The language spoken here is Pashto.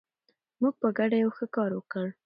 موږ په ګډه یو ښه کار وکړ.